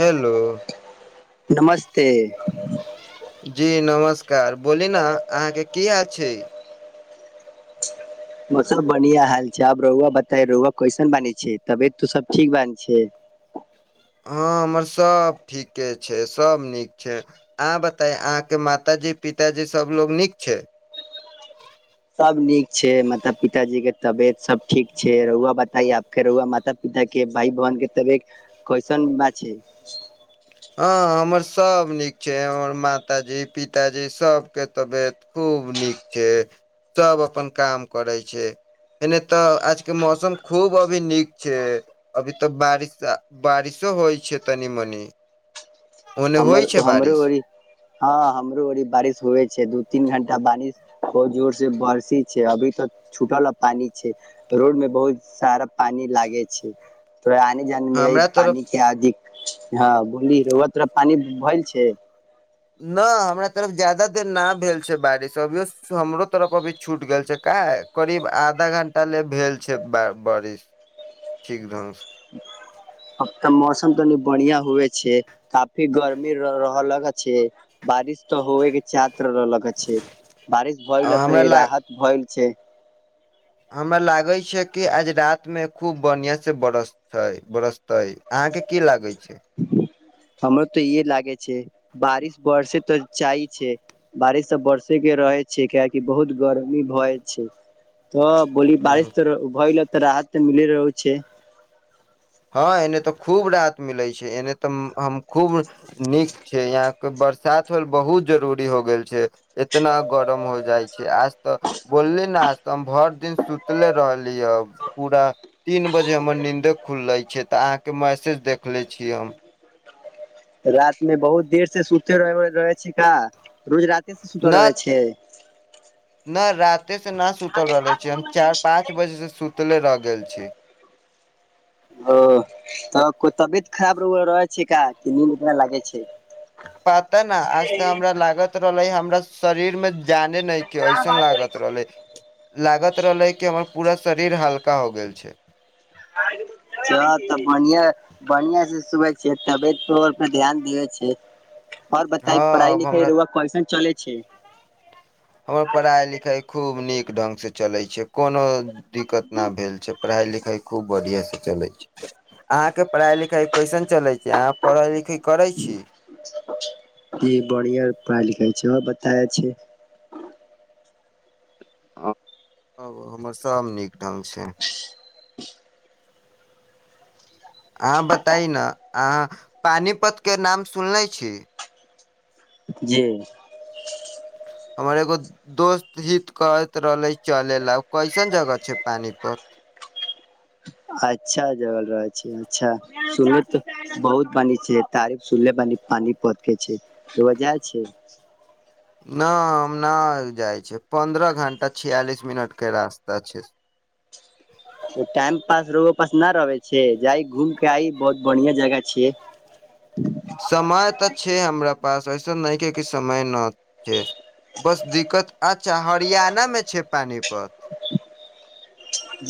Hello नमस्ते जी नमस्कार बोली न अहाँके कीहा छै ओ सब बढ़िियाँ हाल छै आब रौआ बताय रौआ कैसन बानि छैय तबियत तो सब ठीक बानि छैय हँ हमर सब ठीके छै सब नीक छै अहाँ बताए अहाँके मातााजी पिताजी सबलोग नीक छैय सब नीक छै माता पिताजी के तबियत सब ठीक छै रौआ बताइ आपके रौआ माता पिता के भाय बहिन के तबियत कइसन बा छैय हँ हमर सब नीक छै हमर माताजी पिताजी सबके तबियत खूब नीक छै सब अपन काम करै छै एने त आजके मौसम खूब अभी नीक छैय अभी त बारिश बारिशो होइ छैय तनी मनि हमर हमरो ओरी हँ हमरो ओरी बारिश हुए छैय छैअ दू तीन घंटा बारिश बहुत जोर से बरसी छै अभी त छूटल पानी छैय रोड मे बहुत सारा पानी लागे छैय तोरा आने जाने मे हमरा तरफ पानी के अधिक हं बुलहीं रौआ तोरा पानि भइल छै नहि हमरा तरफ जादा देर ना भेल छैय बारिश अभियो हमरो तरफ अभी छूटि गेल छैय का करीब आधा घंटा ले भेल छैय बा बारिश ठीक ढंगसँ अब त मौसम तनी बढ़िया हुए छै काफी गरमी रह लग छैय बारिश त होए के च त्र लगे छैय बारिश भए से ल हमरा तनी ला राहत भए छैय हमरा लागै छै कि आज रातिमे खूब बनिआँसँ बरसतै बरसतै अहाँके की लागैत छैय हमरो त इहे लागे छैय बारिश बरसे त चाही छैय बारिश त बरसे के रहै छैय कियाकी बहुत गरमी भ जाइ छैय त बोली बारिश त भयल त राहत तमिले रहौ छैय हँ एने त खूब रात मिलैत छैय एने त हम खूब नीक छैय यहाँके बरसात होल बहुत जरूरी हो गेल छैय इतना गरम हो जाइ छै आज त बोलली ने आज त हम भरि दिन सुतले रहली ह पूरा तीन बजे हमर नींदे खुल्लै छैय त अहाँके मैसेज देख लै छीयै हम रात मे बहुत देर से सुते रहे रहै छिका रोज रात केस सुतो न रहबै छैय न राख कते से ना सुतल रहे छी हम चार पाँच बजे से सुतले रह गेल छी ओ त कोइ तबियत खराब रौआ रहै छै का कि नीन्द नैय लागै छैय पाता ना आज त हमरा लागत रहले हम हमरा शरीर मे जाने नहिखे ऐसन लागत रहले लागत रहले कि हमर पूरा शरीर हल्का हो गेल छैय ह तऽ बढ़िया बढ़ियासँ सुबै छियै तबियतपर ध्यान देै छियै आओर बताई हँ पढ़ाई अब लिखई हमरा रौआ कैसन चलै ठीक हमर पढ़ाई लिखाई खूब नीक ढंगसे चलै छै कोनो दिक्कत न भेल छै पढ़ाई लिखाई खूब बढ़िया से चले छै अहाँ के पढ़ाई लिखाई कैसन चले छै अहाँ पढ़ाई लिखाई ई बढ़िआ पढ़ाई लिखाई छै तय छै हमर सभ नीक ढंग छै अहाँ बताइ न अहाँ पानिपतके नाम सुनले छी जी हमर एगो दोस्त हित कहैत रहलै चलैला कैसन जगह छै पानीपत अच्छा जगह छै अच्छा सुनय तऽ बहुत बानि छियै तारीफ सुनले बानि पानीपत के छै बढ़िया छै नहि हम नहि जाइ छियै पन्द्रह घंटा छियालिस मिनट के रास्ता छै टाइम पास रहुआक पास न रहै छै जाई घूम के आई बहुत बढ़िया जगह छियै समय तऽ छै हमरा पास ऐस एहिसन नहि छैक जे समय न छै बस दिक्कत अच्छा हरियाणा मे छै पानीपत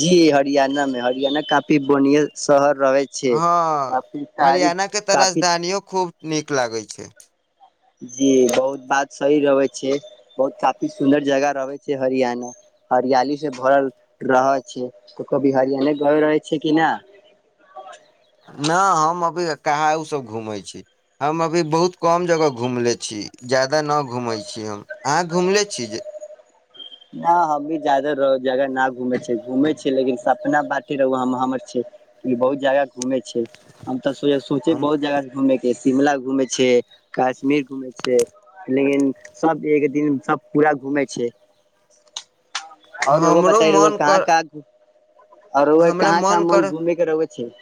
जी हरियाणा में हरियाणा काफी बढ़िया शहर रहे छै हँ काफी हरियाणा तारीफ के तऽ काफी राजधानीओ खूब नीक लागै छै जी बहुत बात सही रहै छै बहुत काफी सुन्दर जगह रहै छै हरियाणा हरियाली से भर रहै छै त कभी हरियाणा गेल रहै छै कि न न हम अभी कहा ओसभ घूमै छी हम अभी बहुत कम जगह घूमले छी ज्यादा न घूमै छी हम अहाँ घुमले छी जे न हम भी जादा रह जगह न घूमे छिय घूमे छिय लेकिन सपना बाते रहुआ हम बहुत ज्यादा घूमे छै हम तऽ सोचे हम बहुत जगह घूमे के शिमला घूमने छियै काश्मीर घूमने छियै लेकिन सब एक दिनमे सब पूरा घूमने छियै [inaudible] आओर रौआ हमरो बताई मन का कर का आओर रौआक हमरा कहाँ कहाँ मन कर घूमे के रहै छै [inaudible]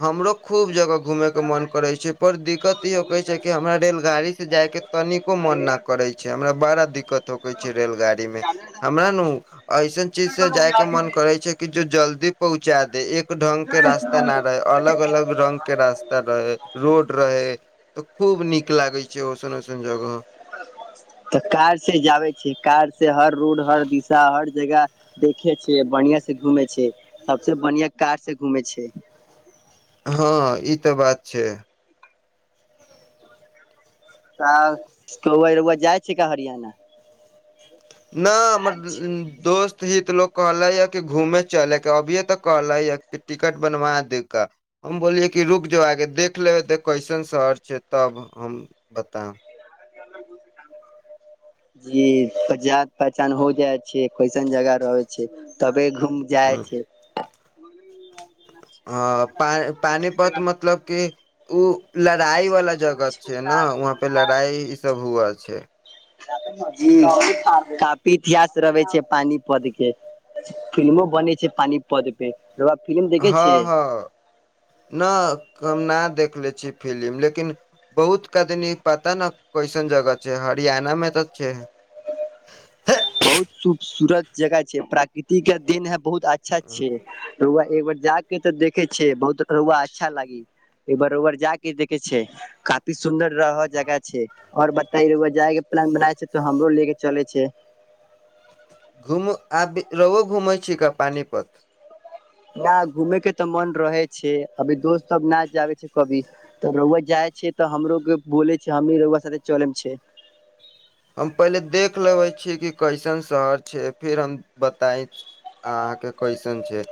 हमरो खूब जगह घूमयके मन करै छै पर दिक्कत ई हो के छै कि हमरा रेलगाड़ी से जाय के तनिको मन न करे छै हमरा बड़ा दिक्क थकै छै रेलगाड़ी मे हमरा ने ऐसन चीज से जाय के मन करै छै कि जे जल्दी पहुँचा दे एक ढंग के रास्ता न अलग अलग रंग के रास्ता रहे रोड रहे खूब नीक लागै छै ओसन ओसन जगह, तऽ कार से जाबे छै कार से हर रोड हर दिशा हर जगह देखे छै। बढ़िया से घूमे छै सबसे बढ़ििया कार से घूमे छै। हँ ई तऽ बात छै। त कइ र जाइ छै का हरियाणा। न हमर दोस्त ही तऽ लोग कहले या कि घूमे चल अभिये तऽ कहले ह टिकट बनवा दे का हम बोलियै कि रुक जो आगे देख लेब त कैसन शहर छै। तब हम बताब। जी जान पहचान हो जाइ छै। कैसन जगह रहै छै त क घूम जाइ छै ब आ प पानिपत मतलब क, ओ पे लड़ाई ई सब हुआ छै हुँ कॉफी इतिहास रहे छै पानी पद के फिल्मो बने छै पानी पद पे। रउआ फिल्म देखे हँ छै हँ न, हम न देखले छीिय फिलिम लेकिन बहुत कदनी पता न कैसन जगह छै हरियाणा मे तऽ छै। बहुत खूबसूरत जगह छै प्राकृतिक के दन है बहुत। अच्छा अच्छे र। एकबार जा के ते देखे छै। बहुत रआ अच्छा लागी एकार ओार जा के देखे छै। काफी सुन्दर रह जगह छै और बता जाय के प्लान बनाय छै तो हमरो ले के चले छै। घुम आब रहो घुमै छी का पानिीपत। नहि घूमेै के तऽ मन रहै छै। अभी दोस्त सब न जाबे छै। कभी तऽ रआ जाइ छै। तऽ हमरो के बोले छै हमी रआ साथे चले मे छ। हम पहिले देख लेबै छीियै कि कैसन शहर छै। फिर हम बताय अहाँके कैसन छै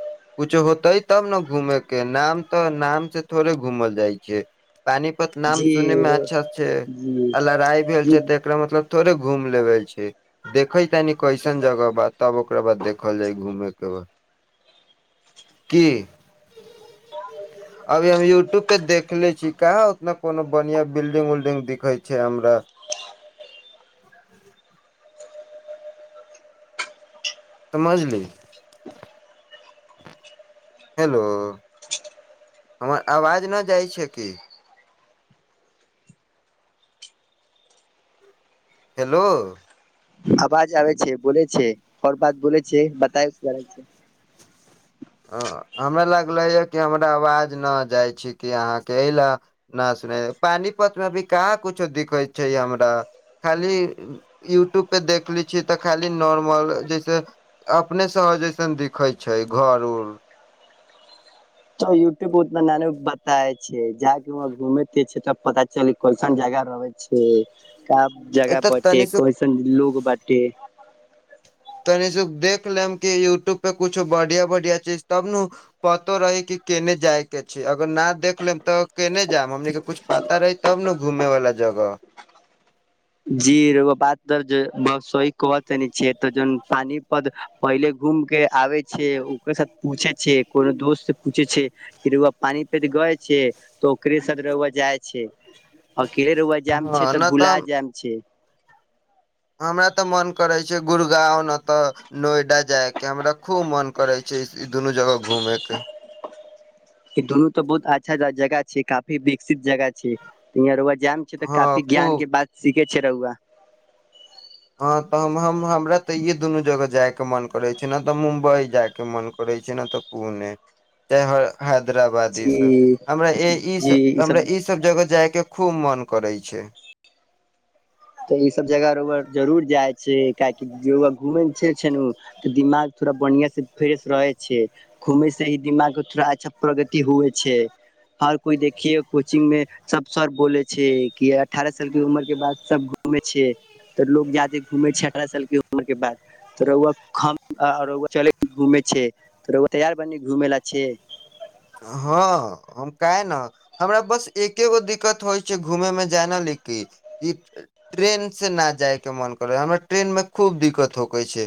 कुछो होतै तब ने घूमे के नाम तऽ नामसँ थोड़े घूमल जाइ छियै। पानीपत नाम जी सुनै में अच्छा छै। जी आ लड़ाई भेल जी छै त एकरा मतलब। थोड़े घूम लेब छी देखै। नी कैसन जगह बाद। तब ओकरा बाद देखल जाय घूमे के ब की अभी हम यूट्यूब पे देखले छी। क उतना कोनो बढ़िया बिल्डिंग उल्डिंग दिखै छै हमरा। समझली हेलो हमर आवाज नहि जाइ छै की। हेलो। आवाज आबै छै बोले छै आओर बात बोले छै बताय। हमरा लगले य कि हमरा आवाज न जाइ छै कि अहाँ के ल न सुने पानि पत मे अभी काँ कुछो दिखे छै हमरा खाली यूट्यूब पे देखले छीिय तऽ खाली नॉर्मल जैसे अपने शर जैस दिखै छै घर। जरूर, तऽ यूट्यूब उतना नानी बताे छै जााक व घूमेे त पता चल कोनसन जगह रहे छै। क जगह एतऽ बटे तनि सुख कइसन लोग बँटे। तनिसँ देख लेब कि यूट्यूबपे कछो बढ़िआँ बढ़िआँ चीज तब ने पतो रहै कि केने जायके छै अगर न देख लेब तऽ केने जायब हमनीके किछु पता रहै तब ने घूमयवला जगह। जी बात त स कह छै त जन पानी प पहिले घूम के आबे छै ओकरे साथ पूछे छै कोनो दोस्त से पूछे छैआ पानी प गए छै तऽ ओकरे साथ जाइ छै। केर व जयाम छै हँ तऽ नहि भुला जायम। [inaudible] हमरा तऽ मन करै छै गुड़गाँव नहि तऽ नोएडा जायके हमरा खूब मोन करै छै ई दुनू जगह घूमयके। ई दुनू तऽ बहुत अच्छा जगह छै काफी विकसित जगह छै यह। ज्ञान छै तऽ हँ काफी ज्ञान खूब के बात सीख के छै रहहुआ हँ तऽ हम हम हमरा तऽ इे दुनू जगह जाइके मन करै छै ने तऽ मुम्बइ जाइके मन करै छै ने नय त पुणे तं हैदराबाद ई जी सब हमरा ई सब हमरा ई सब जगह जायके खूब मन करै छै तऽ ई सब रउआ जगह जरूर जाइ छै काहेकि घूमे छै छै ने तऽ दिमाग थोड़ा बढ़िआ से फ्रेश रहै छै घूमे से ही दिमाग थोड़ा अच्छा प्रगति हुए छै हर कोइ देखिये कोचिंग मे सब सर बोले छै कि अठारह साल के उमर के बाद सब घूमै छै तऽ लोग जादे घूमै छै अठारह सालके उमर के बाद त रउआ‌ खँ रउआ चलय घुमय रउआ तैयार बानी घुमय छै हँ हम काहन हमरा बस एके गो दिक्कत होइ छै घूमेयमे जाना ल की ई ट्रेन से नहि जायके मन करै हमरा ट्रेनमे खूब दिक्कत होकै छै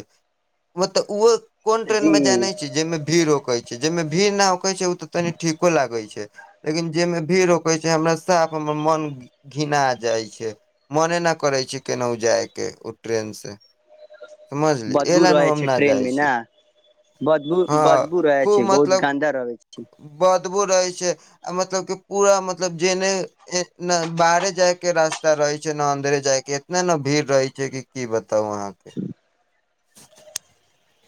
म त उहो कोन ट्रेन जी मे जान छ छै जाहिमे भीड़ रोककै छै जाहिमे भीड़ नहिकै छै तऽ तनि ठीको लागै छै लेकिन जाहिमे भीड़ रकै छै हमरा साफ हमर मन घिना जाइ छै मने नहि करै छै केनाहु जायके ओ ट्रेनसे बदबू रहे छै ट्रेन में न छी बदबू बदबू रहे छै बहुत गन्दा रहे छै ब बदबु रहै छै आ मतलब के पूरा मतलब जेने ने बाहरे जाय के रास्ता रहे छै ने अन्दरे जाय के इतने ने भीड़ रहै छै कि की बताउ अहाँके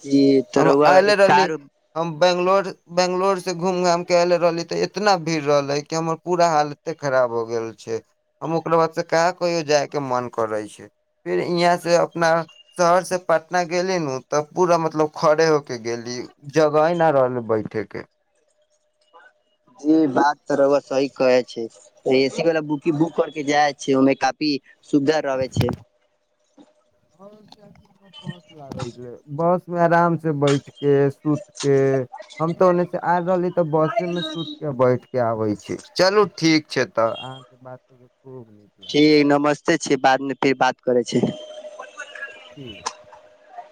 जी त हम रउआ अयले एक रहली कार हम बैंगलोर बैंगलोर से घूम घाम के एयले रहली तऽ एतना भीड़ रहले कि हमर पूरा हालते खराब हो गेल छै हम ओकरा बाद से काह कहियो जाय के मन करे छै फिर ईहाँ से अपना शहर से पटना गेली न तऽ पूरा मतलब खड़े हो के गेली जगह ह न रहले बैठे के जी बात तऽ रउआ‌ सही कहै छै एसी वला बुकी बुक करके जा छै ओहिमे काफी सुविधा रहै छै बस में आराम से बैठ के सुत के हम तो ओने से आ रहली तऽ बसे में सुत क बैठ के आबै छै चलू ठीक छै तऽ‌ अहाँके बात खूब नीक लागै ठीक नमस्ते छि बादमे फिर बात करै छै [inaudible]